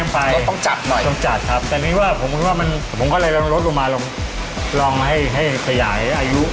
ผมก็เลยนำรสลงมาลองให้สยายให้อายุ